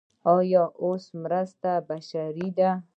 آیا اوس مرستې بشري دي؟